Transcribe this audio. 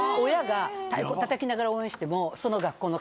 太鼓たたきながら応援して。